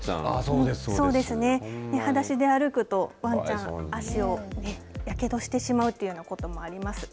そうですね、はだしで歩くとワンちゃん足をやけどしてしまうというようなこともあります。